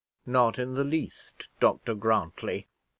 "Not in the least, Dr Grantly."